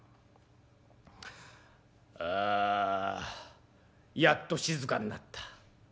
「あやっと静かになった。